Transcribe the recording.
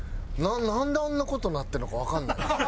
なんであんな事になってるのかわかんない。